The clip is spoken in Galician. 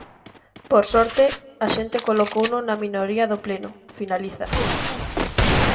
"Por sorte, a xente colocouno na minoría do pleno", finaliza.